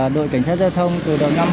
đội cảnh sát giao thông từ đầu năm